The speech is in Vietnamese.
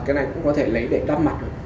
cái này cũng có thể lấy để đắp mặt